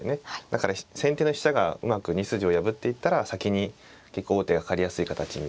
だから先手の飛車がうまく２筋を破っていったら先に結構王手がかかりやすい形になります。